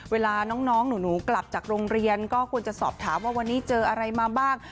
เวลาน้องหนูกลับจากโรงเรียนก็ควรจะสอบถามว่าวันนี้เจออะไรมาบ้าง